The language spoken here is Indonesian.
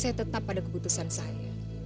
saya tetap pada keputusan saya